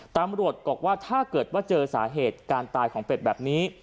ตำรวจบอกว่าถ้าเกิดว่าเจอสาเหตุการตายของเป็ดแบบนี้